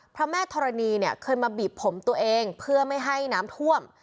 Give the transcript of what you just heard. พระแม่ธรณีเนี่ยเคยมาบีบผมตัวเองเพื่อไม่ให้น้ำท่วม